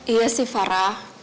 iya sih farah